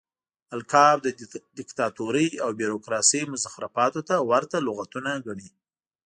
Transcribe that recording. القاب د ديکتاتورۍ او بيروکراسۍ مزخرفاتو ته ورته لغتونه ګڼي.